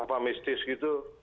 ada yang mistis gitu